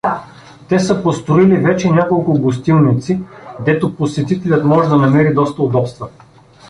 Те са построили вече няколко гостилници, дето посетителят може да намери доста удобства.